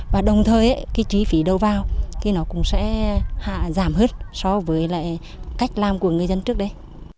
và đồng thời cái chi phí đầu vào thì nó cũng sẽ giảm hơn so với lại cách làm của người dân trước đây